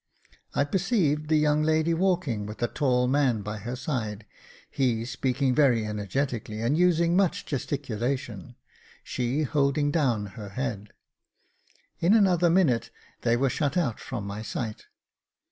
I perceived the young lady walking with a tall man by her side ; he speaking very energetically, and using much gesticulation, she holding down her head. In another minute they were shut out from my sight.